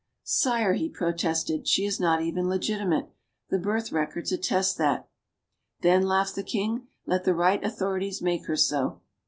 "Sire," he protested, "she is not even legitimate. The birth records attest that." "Then," laughed the king, "let the right authorities make her so."